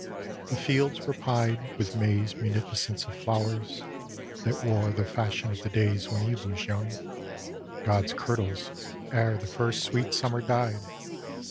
The fields were pied With May's munificence of flowers, that wore The fashion of the days when Eve was young, God's kirtles, ere the first sweet summer died.